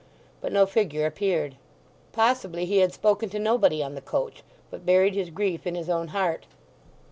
But no figure appeared. Possibly he had spoken to nobody on the coach, but buried his grief in his own heart.